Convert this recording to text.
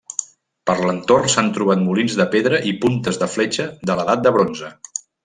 Per l'entorn s'han trobat molins de pedra i puntes de fletxa de l'Edat de Bronze.